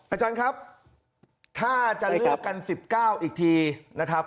อาจารย์ครับถ้าเจรจากัน๑๙อีกทีนะครับ